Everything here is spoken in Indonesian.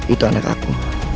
itu anak aku